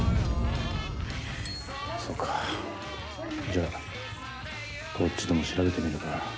じゃこっちでも調べてみるか。